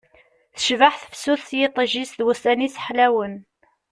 Tecbeḥ tefsut s yiṭij-is d wussan-is ḥlawen